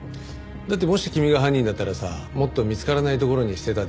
だってもし君が犯人だったらさもっと見つからない所に捨てたでしょ？